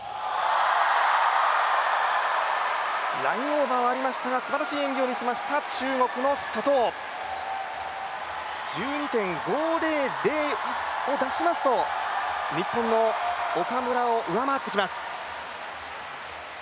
ラインオーバーはありましたがすばらしい演技を見せました中国の左トウ。１２．５００を出しますと日本の岡村を上回ってきます。